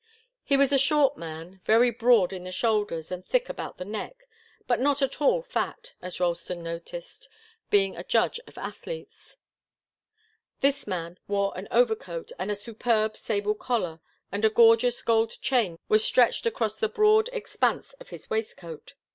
He was a short man, very broad in the shoulders and thick about the neck, but not at all fat, as Ralston noticed, being a judge of athletes. This man wore an overcoat with a superb sable collar, and a gorgeous gold chain was stretched across the broad expanse of his waistcoat.